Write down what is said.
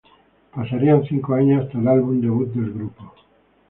Pasarían cinco años hasta el álbum debut del grupo.